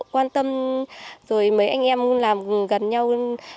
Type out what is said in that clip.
quan tâm rồi mấy anh em làm gần nhau